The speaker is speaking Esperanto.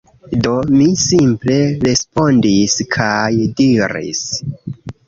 Do, mi simple respondis kaj diris